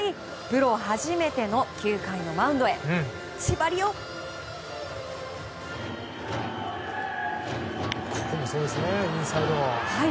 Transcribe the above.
プロ初めての９回のマウンドへちばりよー！